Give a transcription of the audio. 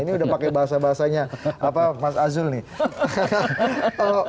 ini udah pakai bahasa bahasanya mas azul nih